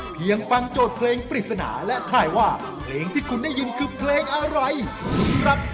เพลงเก่งของเราครับ